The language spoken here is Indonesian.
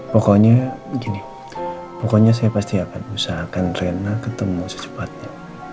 pokoknya begini pokoknya saya pasti akan usahakan rena ketemu secepatnya